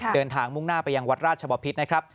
เดินทางมุ่งหน้าไปยังวัดราชชมพิษนะครับ